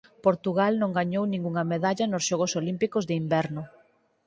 Portugal non gañou ningunha medalla nos Xogos Olímpicos de Inverno.